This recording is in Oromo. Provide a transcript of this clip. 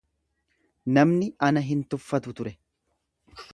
Namni ana hin tuffatu ture.